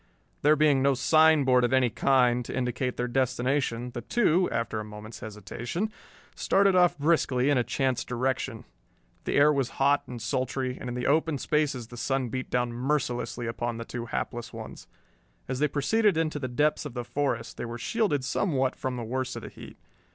There being no signboard of any kind to indicate their destination, the two, after a moment's hesitation, started off briskly in a chance direction. The air was hot and sultry, and in the open spaces the sun beat down mercilessly upon the two hapless ones. As they proceeded into the depths of the forest they were shielded somewhat from the worst of the heat.